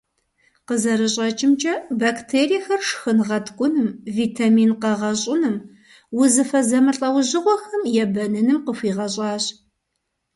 Къызэрыщӏэкӏымкӏэ, бактериехэр шхын гъэткӏуным, витамин къэгъэщӏыным, узыфэ зэмылӏэужьыгъуэхэм ебэныным къыхуигъэщӏащ.